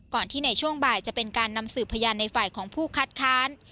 ที่ในช่วงบ่ายจะเป็นการนำสืบพยานในฝ่ายของผู้คัดค้าน